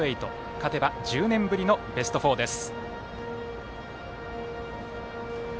勝てば１０年ぶりのベスト４です。